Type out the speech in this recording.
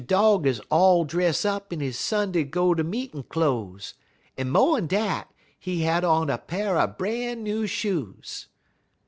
Dog 'uz all dress up in his Sunday go ter meetin' cloze, en mo'n dat, he had on a pa'r er bran new shoes.